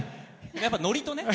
やっぱノリとね。